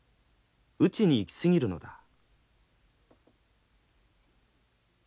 打ちに行き過ぎるのだ」。